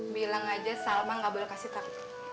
bilang aja salma nggak boleh kasih tak